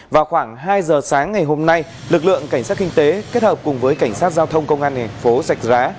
vào khoảng hai giờ sáng ngày hôm nay lực lượng cảnh sát kinh tế kết hợp cùng với cảnh sát giao thông công an tp rạch giá